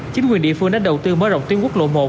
chính quyền địa phương đã đầu tư mở rộng tuyến quốc lộ một